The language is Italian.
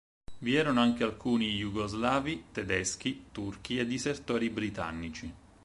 Vi erano anche alcuni jugoslavi, tedeschi, turchi e disertori britannici.